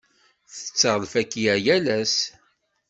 Tetteɣ lfakya yal ass.